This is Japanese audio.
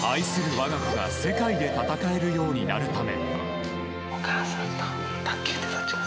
我が子が世界で戦えるようになるため。